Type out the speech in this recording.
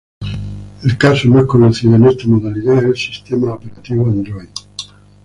El caso más conocido en esta modalidad es el sistema operativo Android.